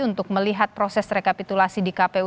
untuk melihat proses rekapitulasi di kpu